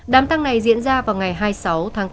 đám tang này diễn ra vào ngày hai mươi sáu tháng tám